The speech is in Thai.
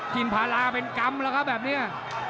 กินพาราเป็นกรรมแบบนี้